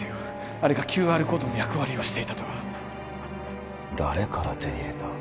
あれがＱＲコードの役割をしていたとは誰から手に入れた？